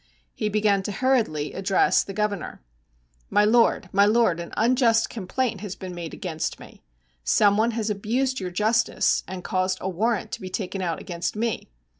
He began to hurriedly address the governor: 'My lord, my lord, an unjust complaint has been made against me. Someone has abused your justice and caused a warrant to be taken out against me.